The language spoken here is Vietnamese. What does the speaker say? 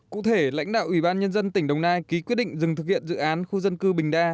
cụ thể lãnh đạo ubnd tỉnh đồng nai ký quyết định dừng thực hiện dự án khu dân cư bình đa